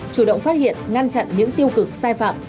chủ động phát hiện ngăn chặn những tiêu cực sai phạm